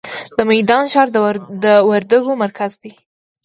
د میدان ښار د وردګو مرکز دی